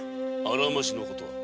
あらましの事は。